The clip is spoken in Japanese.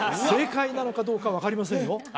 正解なのかどうか分かりませんよ